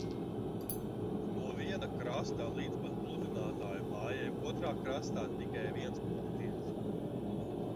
No viena krasta līdz pat Pludinātāju mājai otrā krastā tikai viens pūtiens.